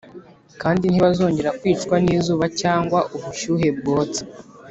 kandi ntibazongera kwicwa n izuba cyangwa ubushyuhe bwotsa